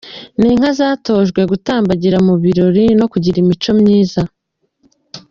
Ni inka zatojwe gutambagira mu birori no kugira imico myiza.